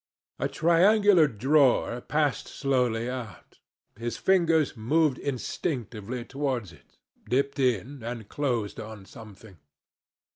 A triangular drawer passed slowly out. His fingers moved instinctively towards it, dipped in, and closed on something.